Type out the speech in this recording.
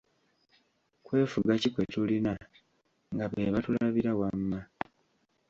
"Kwefuga ki kwe tulina, nga be batulabira wamma."